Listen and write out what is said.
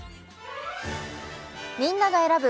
みんなが選ぶ